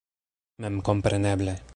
Memkompreneble.